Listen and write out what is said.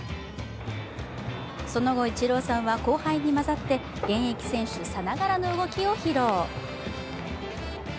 その後、イチローさんは後輩に交ざって、現役選手さながらの動きを披露。